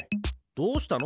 どうしたの？